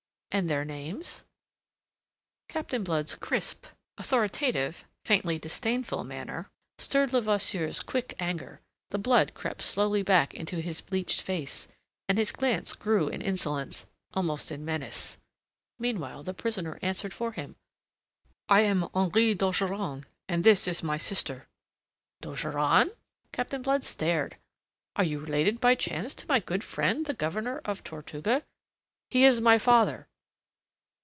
And their names?" Captain Blood's crisp, authoritative, faintly disdainful manner stirred Levasseur's quick anger. The blood crept slowly back into his blenched face, and his glance grew in insolence, almost in menace. Meanwhile the prisoner answered for him. "I am Henri d'Ogeron, and this is my sister." "D'Ogeron?" Captain Blood stared. "Are you related by chance to my good friend the Governor of Tortuga?" "He is my father."